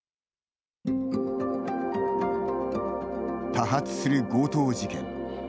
多発する強盗事件。